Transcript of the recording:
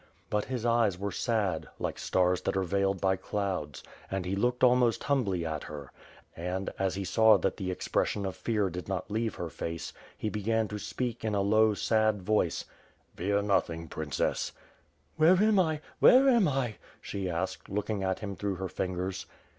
But his eyes were sad, like stars that are veiled by clouds, and he looked almost humbly at her; and, as she saw that 4^8 WITH FIRE AND SWORD. the expression of fear did not leave her face, he began to speak, in a low, sad voice: "Fear nothing, Princess I'^ "Where am I, where am I?" she asked, looking at him through her fingers.